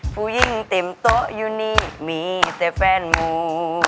ผู้หญิงเต็มโต๊ะอยู่นี่มีแต่แฟนมู